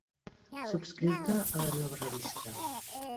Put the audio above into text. Subscriu-te a la nova revista.